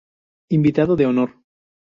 Invitado de honor.